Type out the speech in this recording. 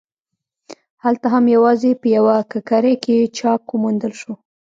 هلته هم یوازې په یوه ککرۍ کې چاک وموندل شو.